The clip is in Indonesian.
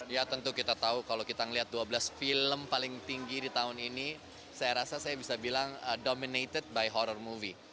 ya tentu kita tahu kalau kita melihat dua belas film paling tinggi di tahun ini saya rasa saya bisa bilang dominated by horror movie